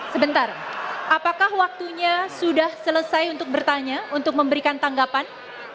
sebentar apakah waktunya sudah selesai untuk bertanya untuk memberikan tanggapan